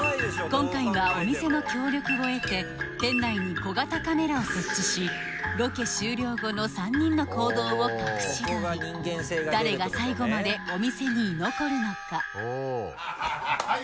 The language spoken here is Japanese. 今回はお店の協力を得て店内に小型カメラを設置しロケ終了後の３人の行動を隠し撮り誰が最後までお店に居残るのかハイ！